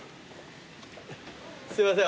すいません。